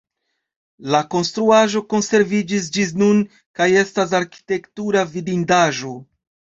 La konstruaĵo konserviĝis ĝis nun kaj estas arkitektura vidindaĵo.